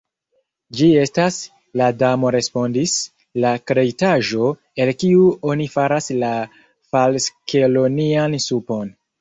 "Ĝi estas," la Damo respondis, "la kreitaĵo, el kiu oni faras la falskelonian supon."